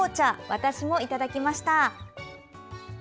私もいただきました。